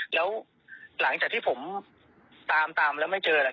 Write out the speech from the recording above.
แล้วหลังจากที่ผมตามแล้วไม่เจอแหละ